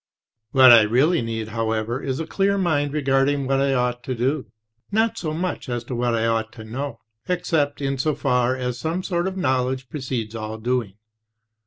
... "What I really need, however, is a clear mind regarding what I ought to do; not so much as to what I ought to know, except in so far as some sort of knowl edge precedes all doing.